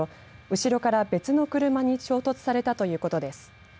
後ろから別の車に衝突されたということです。